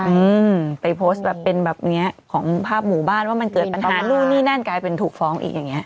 อืมไปโพสต์แบบเป็นแบบเนี้ยของภาพหมู่บ้านว่ามันเกิดปัญหานู่นนี่นั่นกลายเป็นถูกฟ้องอีกอย่างเงี้